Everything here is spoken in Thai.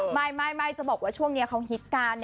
ไม่จะบอกว่าช่วงนี้เขาฮิตกัน